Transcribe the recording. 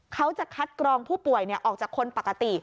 เขาจะคัดกรองผู้ป่วยออกจากคนปกติ